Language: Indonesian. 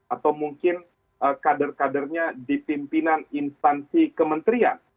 atau mungkin kader kadernya di pimpinan instansi kementerian